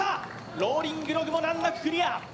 ローリングログも難なくクリア。